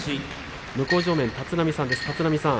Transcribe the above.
向正面は立浪さんです。